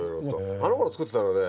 あのころ作ってたのはね